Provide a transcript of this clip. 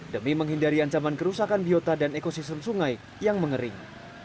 demi menghindari ancaman kerusakan biota dan ekosistem sungai yang mengering